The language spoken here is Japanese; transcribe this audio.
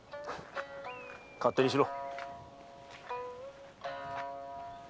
勝手にしろ。